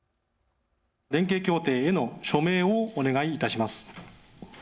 連携協定への署名をお願いいたします。